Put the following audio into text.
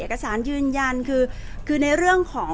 แต่ว่าสามีด้วยคือเราอยู่บ้านเดิมแต่ว่าสามีด้วยคือเราอยู่บ้านเดิม